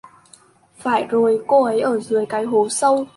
Phải rồi cô ấy ở dưới cái hố sâu